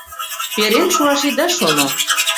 Перен шуаш ида шоно.